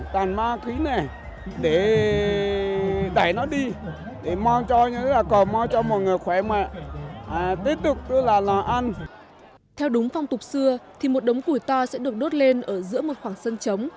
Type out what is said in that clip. theo đúng phong tục xưa thì một đống củi to sẽ được đốt lên ở giữa một khoảng sân trống